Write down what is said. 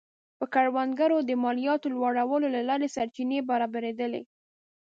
پر کروندګرو د مالیاتو لوړولو له لارې سرچینې برابرېدلې